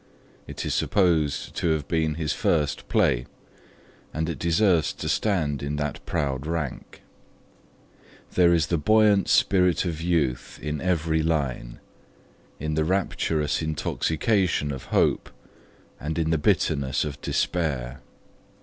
It is supposed to have been his first play, and it deserves to stand in that proud rank. There is the buoyant spirit of youth in every line, in the rapturous intoxication of hope, and in the bitterness of despair.